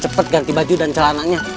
cepat ganti baju dan celananya